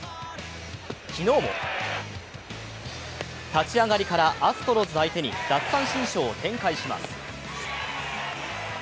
昨日も、立ち上がりからアストロズ相手に奪三振ショーを展開します。